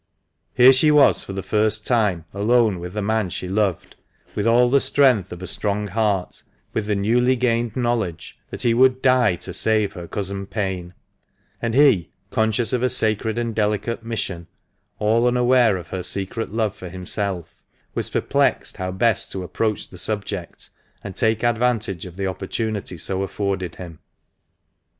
Here she was, for the first time, alone with the man she loved with all the strength of a strong heart, with the newly gained knowledge that he " would die to save her cousin pain ;" and he, conscious of a sacred and delicate mission, all unaware of her secret love for himself, was perplexed how best to approach the subject and take advantage of the opportunity so afforded him.